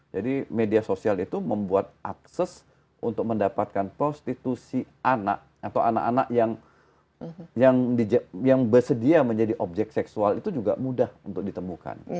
jadi media sosial itu membuat akses untuk mendapatkan prostitusi anak atau anak anak yang bersedia menjadi objek seksual itu juga mudah mendapatkan